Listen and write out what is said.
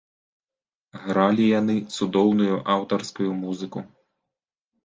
Гралі яны цудоўную аўтарскую музыку.